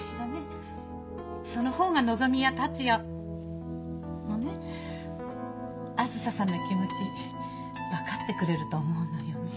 その方がのぞみや達也もねあづささんの気持ち分かってくれると思うのよ。